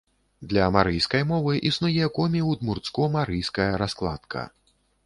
Для марыйскай мовы існуе комі-удмурцко-марыйская раскладка.